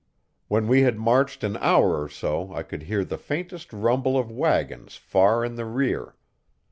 When we had marched an hour or so I could hear the faint rumble of wagons far in the rear.